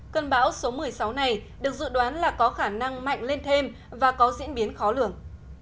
cơn bão số một mươi sáu này được dự đoán là có khả năng mạnh lên thêm và có diễn biến khó lường